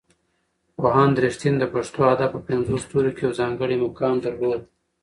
پوهاند رښتین د پښتو ادب په پنځو ستورو کې یو ځانګړی مقام درلود.